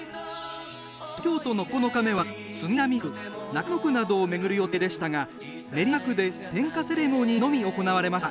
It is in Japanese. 東京都の９日目は、杉並区中野区などを巡る予定でしたが練馬区で点火セレモニーのみ行われました。